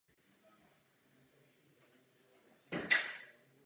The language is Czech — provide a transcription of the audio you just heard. Stal se zakladatelem a ředitelem Centra pro otázky životního prostředí Univerzity Karlovy.